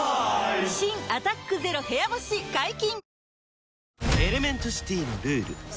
新「アタックＺＥＲＯ部屋干し」解禁‼